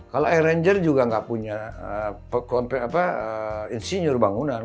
kalau arranger juga nggak punya insinyur bangunan